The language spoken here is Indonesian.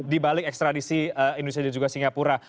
dibalik ekstradisi indonesia dan juga singapura